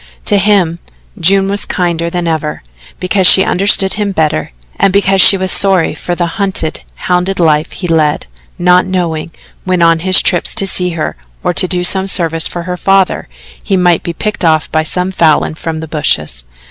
To him, June was kinder than ever, because she understood him better and because she was sorry for the hunted, hounded life he led, not knowing, when on his trips to see her or to do some service for her father, he might be picked off by some Falin from the bushes.